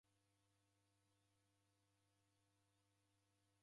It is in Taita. Dew'a midi ighuo